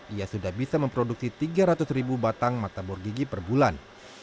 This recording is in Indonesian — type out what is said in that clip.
ia sudah bisa memproduksi tiga ratus ribu batang matabor gigi per bulan